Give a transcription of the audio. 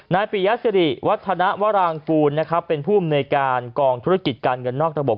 ปิยสิริวัฒนวรางกูลนะครับเป็นผู้อำนวยการกองธุรกิจการเงินนอกระบบ